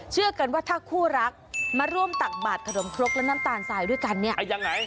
เชื่อกันว่าถ้าคู่รักมาร่วมตักบาดขนมครกและน้ำตาลสายด้วยกันเนี่ยยังไง